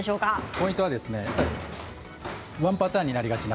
ポイントはワンパターンになりがちな